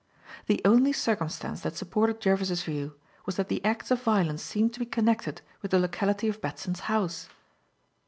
The only circumstance that supported Jervis's view was that the acts of violence seemed to be connected with the locality of Batson's house.